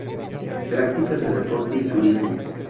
Prácticas de deporte y turismo.